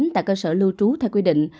tại cơ sở lưu trú theo quy định